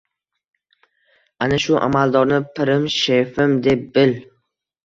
Ana shu amaldorni pirim — shefim, deb bil.